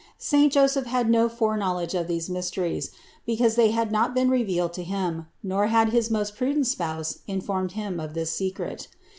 Saint Joseph had no fore knowledge of these mysteries ; because they had not been revealed to him, nor had his most prudent Spouse in formed him of this secret.